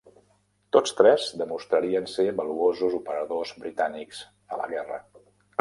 Tots tres demostrarien ser valuosos operadors britànics a la guerra.